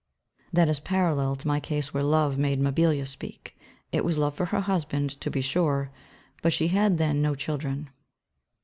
That is parallel to my case where love made Mabilla speak. It was love for her husband, to be sure; but she had then no children.